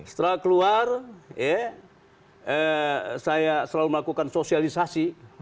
setelah keluar saya selalu melakukan sosialisasi